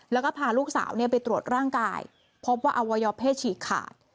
แล้วก็พาลูกสาวไปตรวจร่างกายพบว่าอวัยวะเพศฉีกขาด